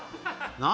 何？